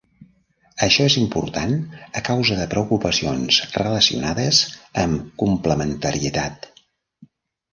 Això és important a causa de preocupacions relacionades amb complementarietat.